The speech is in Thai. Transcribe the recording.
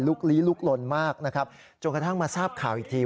ลี้ลุกลนมากนะครับจนกระทั่งมาทราบข่าวอีกที